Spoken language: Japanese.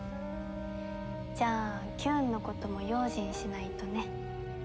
じゃあキューンのことも用心しないとね。